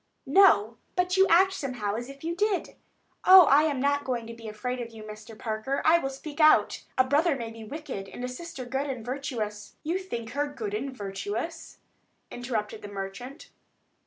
"No; but you act somehow as if you did. Oh, I am not going to be afraid of you, Mr. Parker. I will speak out. A brother may be wicked and a sister good and virtuous——" "You think her good and virtuous?" interrupted the merchant.